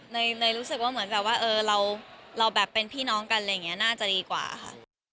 รู้สึกว่าเหมือนแบบว่าเออเราแบบเป็นพี่น้องกันอะไรอย่างนี้น่าจะดีกว่าค่ะ